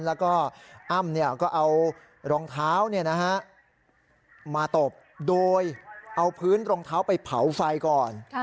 แล้วก็อ้ำก็เอารองเท้ามาตบโดยเอาพื้นรองเท้าไปเผาไฟก่อน